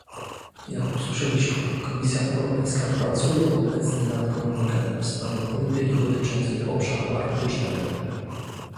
Jak usłyszeliśmy, Komisja Europejska pracuje obecnie nad komunikatem w sprawie polityki dotyczącej obszaru arktycznego